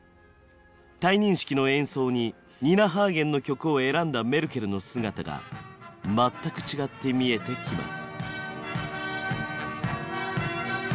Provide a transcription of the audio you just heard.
退任式の演奏にニナ・ハーゲンの曲を選んだメルケルの姿が全く違って見えてきます。